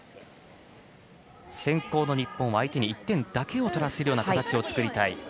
先攻の日本は相手に１点だけを取らせる形を作りたい。